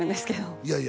いやいや